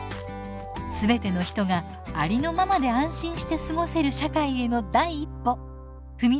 全ての人がありのままで安心して過ごせる社会への第一歩踏み出してみませんか？